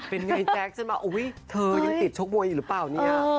เป็นไงแจ๊คฉันมาอุ๊ยเธอยังติดชกมวยอยู่หรือเปล่าเนี่ย